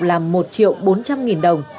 là một triệu bốn trăm linh nghìn đồng